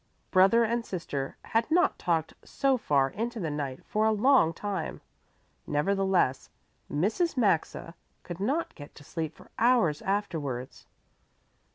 Brother and sister had not talked so far into the night for a long time. Nevertheless, Mrs. Maxa could not get to sleep for hours afterwards.